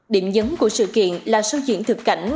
điểm nhấn của sự kiện là sâu diễn thực cảnh